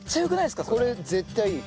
これ絶対いい。